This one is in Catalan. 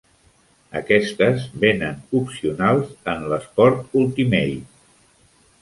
Aquestes vénen opcionals en l'esport Ultimate.